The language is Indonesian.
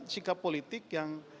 sikap politik yang